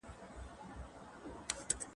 دمرګ زڼئ به خزان وي